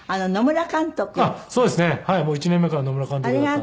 １年目から野村監督だったんで。